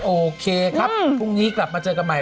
โอเคครับพรุ่งนี้กลับมาเจอกันใหม่